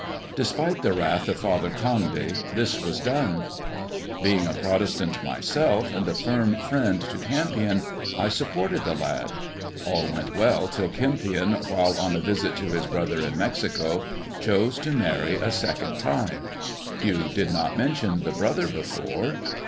Despite the wrath of Father Condy, this was done. Being a Protestant myself, and a firm friend to Kempion, I sup ported the lad. All went well till Kempion, while on a visit to his brother in Mexico, chose to marry a second time." "You did not mention the brother before?